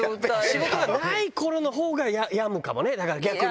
仕事がないころのほうが病むかもね、だから逆に。